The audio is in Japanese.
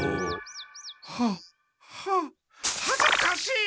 はははずかしい！